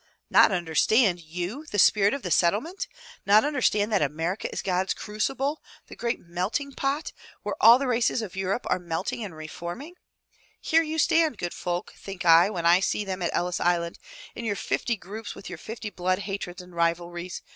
"Not understand, — you the spirit of the Settlement! Not understand that America is God's crucible, the great Melting Pot, where all the races of Europe are melting and re forming. i88 FROM THE TOWER WINDOW Here you stand, good folk, think I, when I see them at Ellis Island, in your fifty groups with your fifty blood hatreds and rivalries.